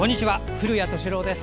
古谷敏郎です。